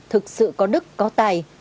thực sự có đức có tài